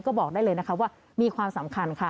ก็บอกได้เลยนะคะว่ามีความสำคัญค่ะ